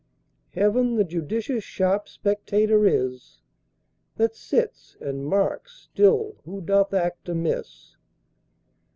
Heaven the judicious sharp spectator is, That sits and marks still who doth act amiss.